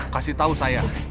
kasih tau saya